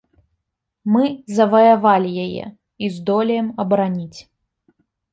Мы заваявалі яе і здолеем абараніць.